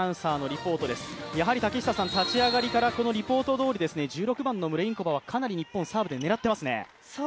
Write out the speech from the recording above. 立ち上がりからこのリポートどおり、１６番のムレインコバはかなり日本、サーブで狙っていますね。